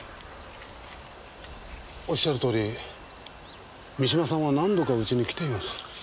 おっしゃるとおり三島さんは何度かうちに来ています。